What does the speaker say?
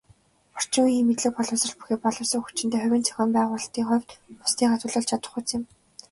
Орчин үеийн мэдлэг боловсрол бүхий боловсон хүчинтэй, зохион байгуулалтын хувьд бусдыгаа төлөөлж чадахуйц юм.